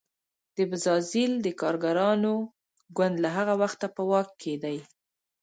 د بزازیل د کارګرانو ګوند له هغه وخته په واک کې دی.